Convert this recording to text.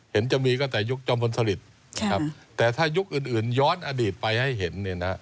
เห็นจะมีก็แต่ยุคจอมพลสลิตแต่ถ้ายุคอื่นย้อนอดีตไปให้เห็น